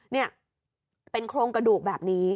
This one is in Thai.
นี่เป็นโครงกระดูกแบบนี้